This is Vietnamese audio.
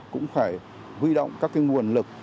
cũng phải huy động các nguồn lực